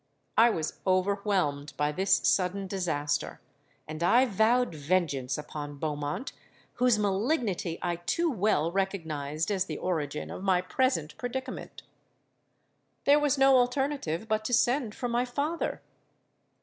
'—I was overwhelmed by this sudden disaster; and I vowed vengeance upon Beaumont, whose malignity I too well recognised as the origin of my present predicament. There was no alternative but to send for my father.